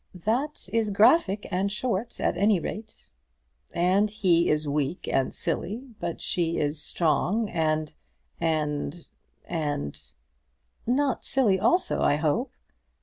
"That is graphic and short, at any rate." "And he is weak and silly, but she is strong and and and " "Not silly also, I hope?"